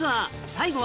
最後は